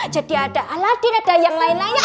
jadi ada aladin ada yang lain lain